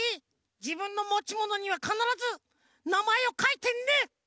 じぶんのもちものにはかならずなまえをかいてね！